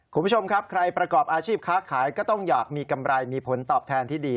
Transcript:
คุณผู้ชมครับใครประกอบอาชีพค้าขายก็ต้องอยากมีกำไรมีผลตอบแทนที่ดี